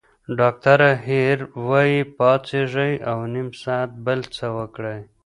ډاکټره هیر وايي، پاڅېږئ او نیم ساعت بل څه وکړئ.